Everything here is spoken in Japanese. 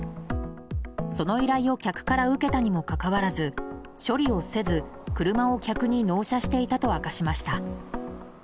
その依頼を客から受けたにもかかわらず処理をせず、車を客に納車していたと明かしました。